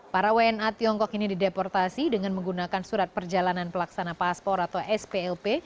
para wna tiongkok ini dideportasi dengan menggunakan surat perjalanan pelaksana paspor atau splp